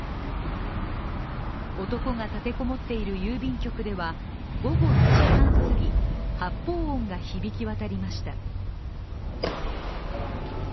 男が立てこもっている郵便局では午後２時半すぎ、発砲音が響き渡りました。